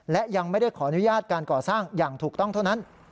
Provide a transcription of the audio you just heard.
และยังไม่ได้ขออนุญาตการก่อสร้างอย่างถูกต้องเท่านั้น